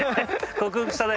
克服したね。